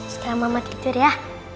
sekarang mama tidur ya